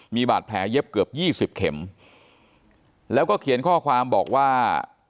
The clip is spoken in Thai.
มีบาดแผลเย็บเกือบยี่สิบเข็มแล้วก็เขียนข้อความบอกว่า